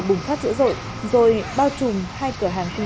bùng phát dữ dội rồi bao trùm